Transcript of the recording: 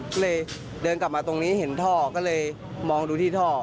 ก็เลยเดินกลับมาตรงนี้เห็นท่อก็เลยมองดูที่ท่อ